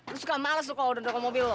lu suka males lu kalau udah dorong mobil lu